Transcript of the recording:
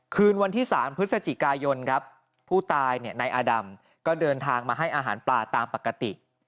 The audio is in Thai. คืนวันที่๓พฤศจิกายนครับผู้ตายเนี่ยนายอาดำก็เดินทางมาให้อาหารปลาตามปกติ